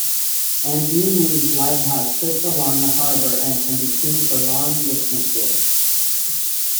Andenes Lighthouse sits along the harbor and can be seen for long distances.